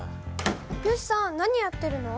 よしさん何やってるの？